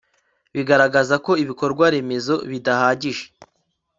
bigaragaza ko ibikorwaremezo bidahagije